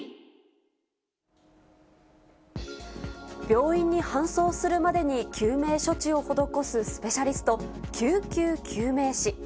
病院に搬送するまでに救命処置を施すスペシャリスト、救急救命士。